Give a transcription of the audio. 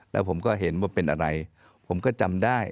แล้วผมก็เห็นว่าเป็นอะไรผมก็จำได้